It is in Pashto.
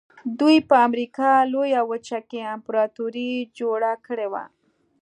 دوی په امریکا لویه وچه کې امپراتوري جوړه کړې وه.